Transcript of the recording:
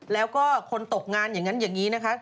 แล้วก็คนตกงานอย่างนั้นอย่างนี้นะคะ